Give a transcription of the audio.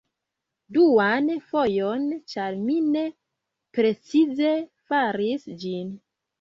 Duan fojon ĉar mi ne precize faris ĝin